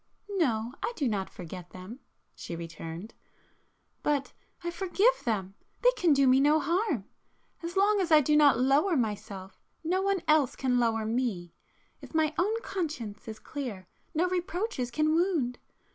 "No, I do not forget them,"—she returned,—"But—I forgive them! They can do me no harm. As long as I do not lower myself, no one else can lower me. If my own conscience is clear, no reproaches can wound.